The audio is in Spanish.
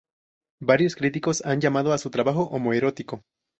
Varios críticos han llamado a su trabajo homoerótico.